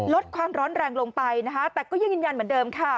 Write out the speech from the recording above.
ลดความร้อนแรงลงไปนะคะแต่ก็ยังยืนยันเหมือนเดิมค่ะ